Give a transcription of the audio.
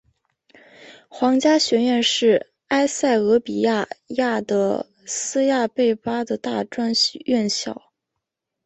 皇家学院是埃塞俄比亚亚的斯亚贝巴的大专院校。